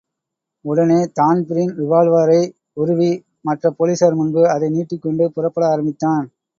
உடனே தான்பிரீன் ரிவால்வரை உருவி மற்றப் போலிஸார் முன்பு அதை நீட்டிக் கொண்டு புறப்பட ஆரம்பித்தான்.